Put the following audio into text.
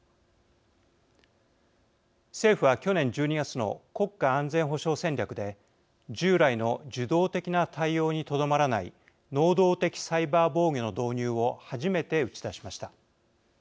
政府は去年１２月の国家安全保障戦略で従来の受動的な対応にとどまらない能動的サイバー防御の導入を初めて打ち出しました。